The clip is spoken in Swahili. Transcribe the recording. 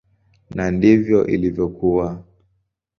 Na ndivyo ilivyokuwa.